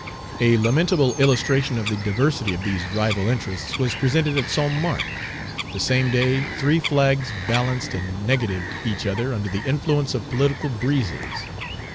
A lamentable illustration of the diversity of these rival interests was presented at Saint Marc. The same day three flags balanced and negatived each other under the influence of political breezes.